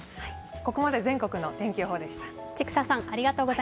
ここまで全国の天気予報でした。